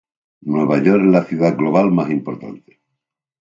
Nueva York es la ciudad global mas importante.